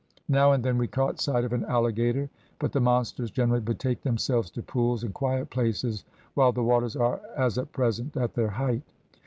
Now and then we caught sight of an alligator, but the monsters generally betake themselves to pools and quiet places, while the waters are, as at present, at their height.